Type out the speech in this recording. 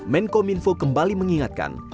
menkominfo kembali mengingatkan